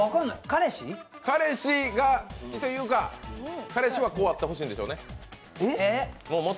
彼氏というか、彼氏はこうあってほしいんでしょうね。